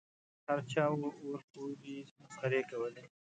هر چا به ورپورې مسخرې کولې.